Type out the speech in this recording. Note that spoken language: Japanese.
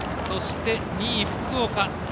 そして、２位福岡。